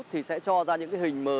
thì sẽ cho ra những hình mờ